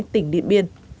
tỉnh điện biên